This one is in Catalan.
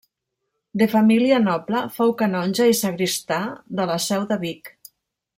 De família noble, fou canonge i sagristà de la seu de Vic.